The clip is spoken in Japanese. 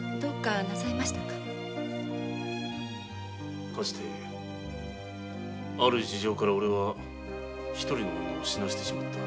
かつてある事情からおれは一人の女を死なせてしまった。